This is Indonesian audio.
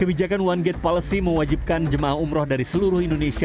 kebijakan one gate policy mewajibkan jemaah umroh dari seluruh indonesia